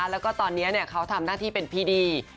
แล้วก็ตอนนี้เขาทำหน้าที่เป็นพี่ดี